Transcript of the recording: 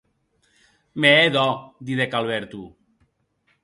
Me hè dò, didec Alberto.